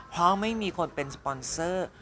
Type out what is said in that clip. เพราะไม่มีคนเป็นสปอนเซอร์